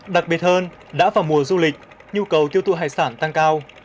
đặc biệt hơn đã vào mùa du lịch nhu cầu tiêu thụ hải sản tăng cao